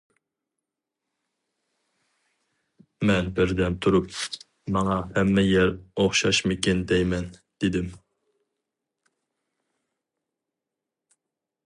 مەن بىردەم تۇرۇپ، «ماڭا ھەممە يەر ئوخشاشمىكىن دەيمەن» دېدىم.